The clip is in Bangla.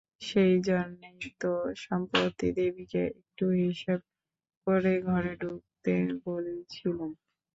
সেইজন্যেই তো সম্প্রতি দেবীকে একটু হিসেব করে ঘরে ঢুকতে বলেছিলুম।